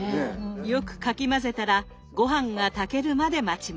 よくかき混ぜたらごはんが炊けるまで待ちます。